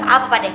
apa pak de